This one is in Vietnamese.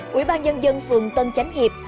quỹ ban nhân dân phường tân chánh hiệp